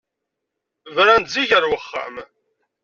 Bren-d zik ar wexxam!